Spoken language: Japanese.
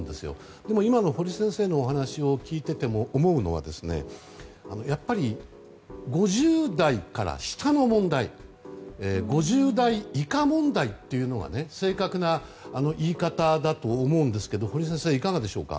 でも、今の堀先生のお話を聞いていて思うのはやっぱり５０代から下の問題５０代以下問題というのが正確な言い方だと思うんですけど堀先生、いかがですか？